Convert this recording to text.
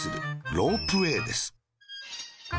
ロープウェーです。